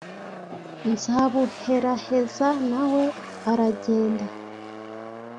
nzabuheraheza na we aragenda